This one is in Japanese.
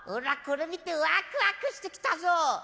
これ見てワクワクしてきたぞ